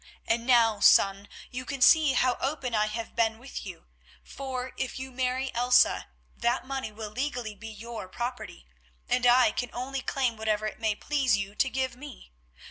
And now, son, you can see how open I have been with you, for if you marry Elsa that money will legally be your property, and I can only claim whatever it may please you to give me.